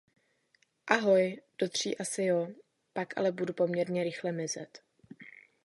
Ahoj, do tří asi jo. Pak ale budu poměrně rychle mizet.